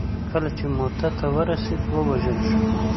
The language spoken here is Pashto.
کله چې موته ته ورسېد ووژل شو.